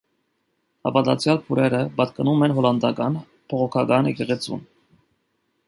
Հավատացյալ բուրերը պատկանում են հոլանդական բողոքական եկեղեցուն։